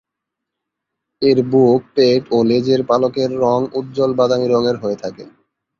এর বুক, পেট ও লেজের পালকের রঙ উজ্জ্বল বাদামী রঙের হয়ে থাকে।